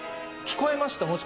聞こえました？